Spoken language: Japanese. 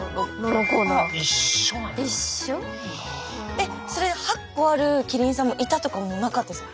えっそれ８個あるキリンさんもいたとかもなかったんですか？